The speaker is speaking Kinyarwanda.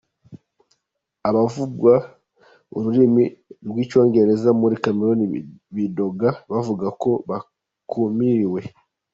Abavuga ururimi rw'icongereza muri Cameroun bidoga bavuga ko bakumiriwe.